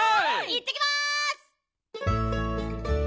いってきます！